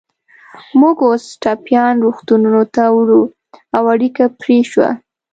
موږ اوس ټپیان روغتونونو ته وړو، او اړیکه پرې شوه.